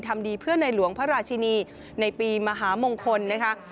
ทำดีเพื่อในหลวงพระราชินีในปีมหามงคลนะคะ